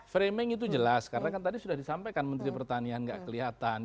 framing itu jelas karena kan tadi sudah disampaikan menteri pertanian nggak kelihatan